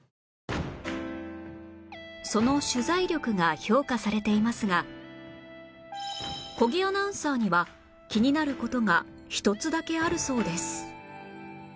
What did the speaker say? その取材力が評価されていますが小木アナウンサーには気になる事が１つだけあるそうです